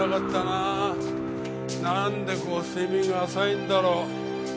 なんでこう睡眠が浅いんだろう。